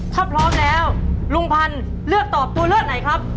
ถ้าพร้อมแล้วลุงพันธ์เลือกตอบตัวเลือกไหนครับ